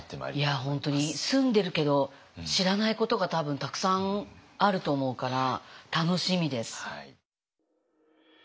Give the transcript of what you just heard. いや本当に住んでるけど知らないことが多分たくさんあると思うから楽しみです。